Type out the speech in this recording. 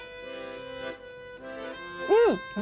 うん。